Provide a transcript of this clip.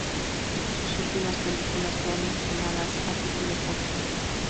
Sus últimas películas fueron estrenadas a título póstumo.